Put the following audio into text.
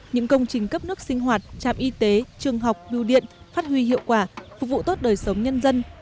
những công trình cấp nước sinh hoạt trạm y tế trường học biêu điện phát huy hiệu quả phục vụ tốt đời sống nhân dân